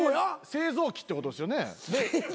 製造機ってことですよね？